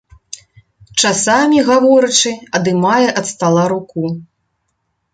Часамі, гаворачы, адымае ад стала руку.